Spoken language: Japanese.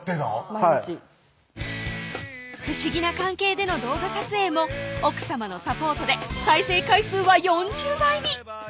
毎日不思議な関係での動画撮影も奥さまのサポートで再生回数は４０倍に！